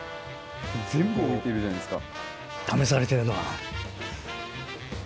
全部置いてるじゃないですか。